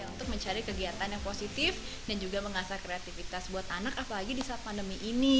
untuk mencari kegiatan yang positif dan juga mengasah kreativitas buat anak apalagi di saat pandemi ini